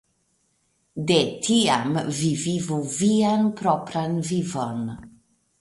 De tiam vi vivu vian propran vivon.